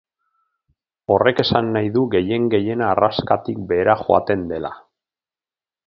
Horrek esan nahi du gehien gehiena arraskatik behera joaten dela.